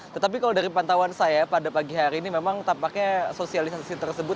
tetapi kalau dari pantauan saya pada pagi hari ini memang tampaknya sosialisasi tersebut